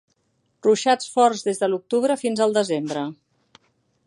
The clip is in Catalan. Ruixats forts des de l'octubre fins al desembre.